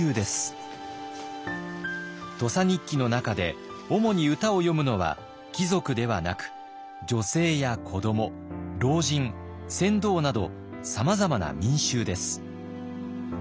「土佐日記」の中でおもに歌を詠むのは貴族ではなく女性や子ども老人船頭などさまざまな民衆です。